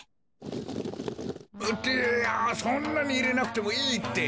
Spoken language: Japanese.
ってあそんなにいれなくてもいいって。